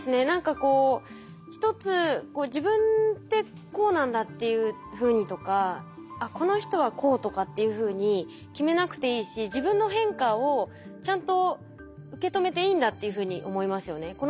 何かこう一つ自分ってこうなんだっていうふうにとかこの人はこうとかっていうふうに決めなくていいし自分の変化をちゃんと受け止めていいんだっていうふうに思いますよね。